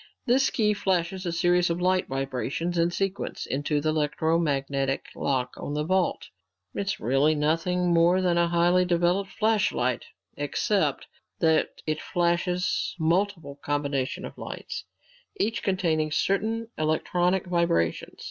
This key flashes a series of light vibrations, in sequence, into the electromagnetic lock on the vault. It's really nothing more than a highly developed flashlight except that it flashes multiple combinations of lights, each containing certain electronic vibrations.